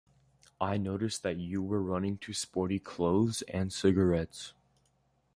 I noticed that you were running to sporty clothes and cigarettes.